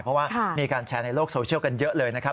เพราะว่ามีการแชร์ในโลกโซเชียลกันเยอะเลยนะครับ